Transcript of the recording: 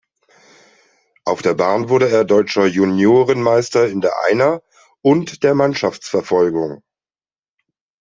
Auf der Bahn wurde er deutscher Juniorenmeister in der Einer- und der Mannschaftsverfolgung.